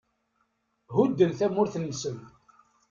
Ḥudden tamurt-nnsen.